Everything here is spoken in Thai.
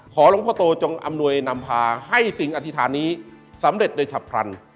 หลวงพ่อโตจงอำนวยนำพาให้สิ่งอธิษฐานนี้สำเร็จโดยฉับพลัน